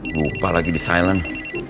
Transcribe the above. lupa lagi di silent